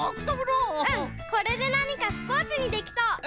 うんこれでなにかスポーツにできそう。